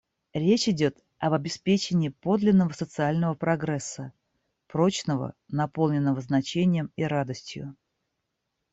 Речь идет об обеспечении подлинного социального прогресса, — прочного, наполненного значением и радостью.